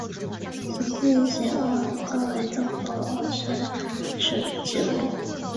十字形黄耆为豆科黄芪属的植物。